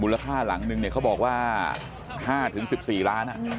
ค่าหลังนึงเนี่ยเขาบอกว่า๕๑๔ล้าน